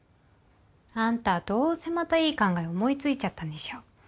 あんたどうせまたいい考え思い付いちゃったんでしょ？